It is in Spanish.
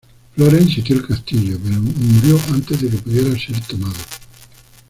Florent sitió el castillo, pero murió antes de que pudiera ser tomada.